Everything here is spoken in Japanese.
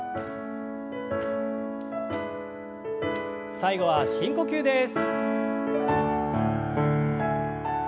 最後は深呼吸です。